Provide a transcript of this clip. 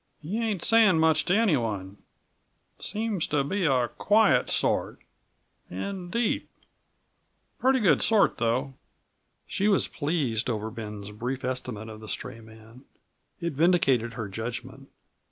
"He ain't saying much to anyone. Seems to be a quiet sort and deep. Pretty good sort though." She was pleased over Ben's brief estimate of the stray man. It vindicated her judgment.